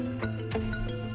baik pak terima kasih